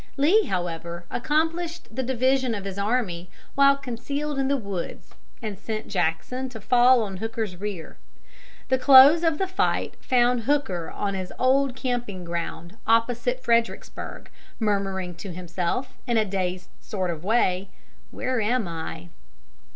Lee, however, accomplished the division of his army while concealed in the woods and sent Jackson to fall on Hooker's rear. The close of the fight found Hooker on his old camping ground opposite Fredericksburg, murmuring to himself, in a dazed sort of way, "Where am I?"